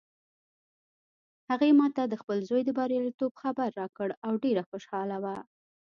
هغې ما ته د خپل زوی د بریالیتوب خبر راکړ او ډېره خوشحاله وه